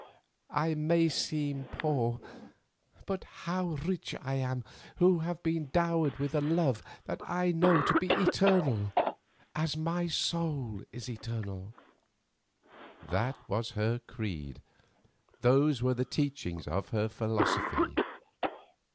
I may seem poor, but how rich I am who have been dowered with a love that I know to be eternal as my eternal soul." That was her creed, those were the teachings of her philosophy.